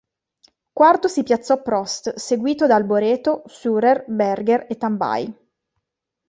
Quarto si piazzò Prost, seguito da Alboreto, Surer, Berger e Tambay.